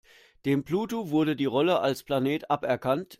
Dem Pluto wurde die Rolle als Planet aberkannt.